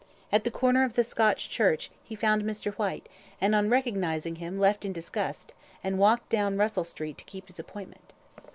At the corner of the Scotch Church he found Mr. Whyte, and on recognising him, left in disgust, and walked down Russell Street to keep his appointment."